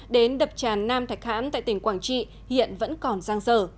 đến đập tràn nam thạch hãn tại tỉnh quảng trị hiện vẫn còn giang dở